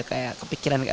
kayak kepikiran kayak